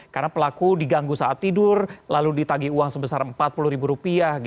karena pelaku diganggu saat tidur lalu ditagi uang sebesar empat puluh ribu rupiah